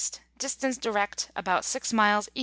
distance direct about G miles E.